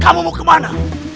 kamu mau kemana